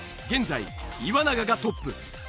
現在岩永がトップ。